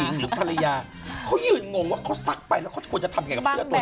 ผู้หญิงหรือภรรยาเขายืนงงว่าเขาซักไปแล้วเขาจะทำไงกับเสื้อตัวนี้